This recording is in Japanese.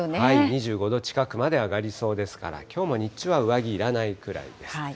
２５度近くまで上がりそうですから、きょうも日中は上着いらないくらいです。